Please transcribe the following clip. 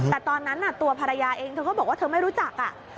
แต่ตอนนั้นตัวภรรยาเองเธอก็บอกว่าเธอไม่รู้จัก